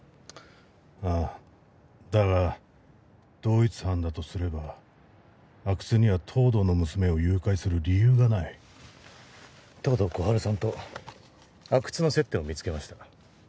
ああだが同一犯だとすれば阿久津には東堂の娘を誘拐する理由がない東堂心春さんと阿久津の接点を見つけました